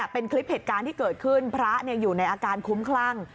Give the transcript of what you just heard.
เป็นคลิปเหตุการณ์ที่เกิดขึ้นพระอยู่ในอาการคุ้มคลั่ง